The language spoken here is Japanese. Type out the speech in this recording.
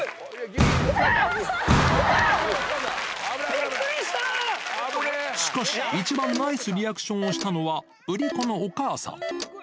びっくりししかし、一番ナイスリアクションをしたのは、売り子のお母さん。